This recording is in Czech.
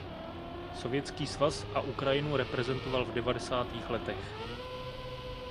Sovětský svaz a Ukrajinu reprezentoval v devadesátých letech.